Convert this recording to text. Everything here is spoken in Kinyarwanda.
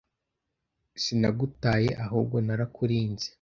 Sinagutaye ahubwo narakurinze